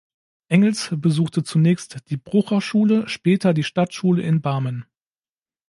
Engels besuchte zunächst die Brucher-Schule, später die Stadtschule in Barmen.